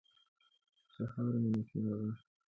سهار مو نیکمرغه.